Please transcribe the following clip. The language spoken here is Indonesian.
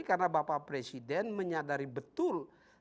karena bapak presiden menyadari betul